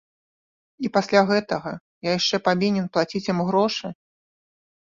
І пасля гэтага я яшчэ павінен плаціць ім грошы?